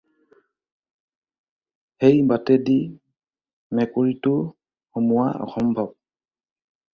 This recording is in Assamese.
সেই বাটে দি মেকুৰিটো সোমোৱা অসম্ভব।